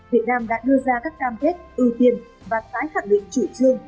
việt nam đã đưa ra các cam kết ưu tiên và tái khẳng định chủ trương